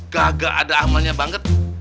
kagak ada amalnya banget